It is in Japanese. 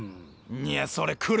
いやそれ車！